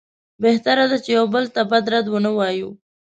بهتره ده چې یو بل ته بد رد ونه وایو.